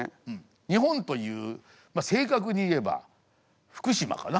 日本という正確に言えば福島かな。